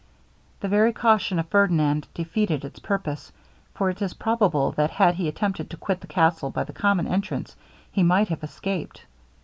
The very caution of Ferdinand defeated its purpose; for it is probable, that had he attempted to quit the castle by the common entrance, he might have escaped.